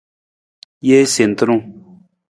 Jee sentunung.